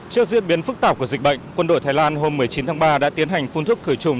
trước diễn biến phức tạp của dịch bệnh quân đội thái lan hôm một mươi chín tháng ba đã tiến hành phun thức khởi trùng